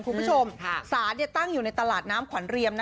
คุณผู้ชมศาลตั้งอยู่ในตลาดน้ำขวัญเรียม